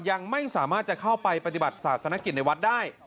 ยังไม่สามารถจะเข้าไปปฏิบัติศาสนกิจในวัดได้